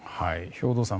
兵頭さん